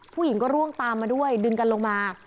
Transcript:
ผู้หญิงก็ร่วงตามมาด้วยดึงกันลงมา